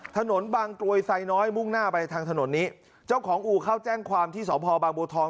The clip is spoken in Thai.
ถนนบางกรวยไซน้อยมุ่งหน้าไปทางถนนนี้เจ้าของอู่เข้าแจ้งความที่สพบางบัวทอง